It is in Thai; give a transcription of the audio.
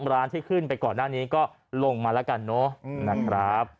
ร้านที่ขึ้นไปก่อนหน้านี้ก็ลงมาแล้วกันเนอะนะครับ